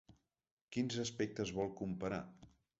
Quins aspectes vol comparar?